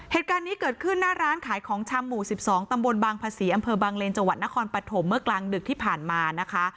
เหตุการณ์นี้เกิดขึ้นหน้าร้านขายของชำหมู่๑๒ตำบลบางภาษีอำเภอบางเลนจังหวัดนครปฐมเมื่อกลางดึกที่ผ่านมานะคะ